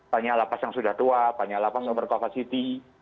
banyak lapas yang sudah tua banyak lapas yang berkovasiti